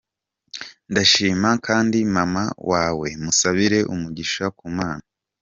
Ndashima kandi mama wawe musabira umugisha ku Mana.